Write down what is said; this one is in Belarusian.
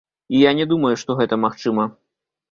І я не думаю, што гэта магчыма.